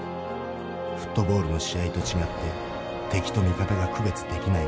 フットボールの試合と違って敵と味方が区別できないのだ。